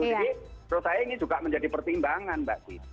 jadi menurut saya ini juga menjadi pertimbangan mbak